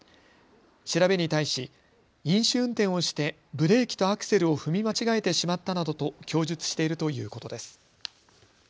調べに対し飲酒運転をしてブレーキとアクセルを踏み間違えてしまったなどと供述しているということです。